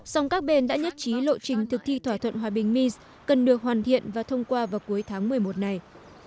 song các bên đã nhất trí lộ trình thực thi thỏa thuận hòa bình mis cần được hoàn thiện và thông qua vào cuối tháng một mươi một này